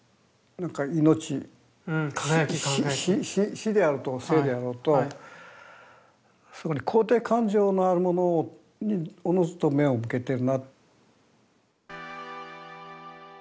死であろうと生であろうとそこに肯定感情のあるものにおのずと目を向けてるな。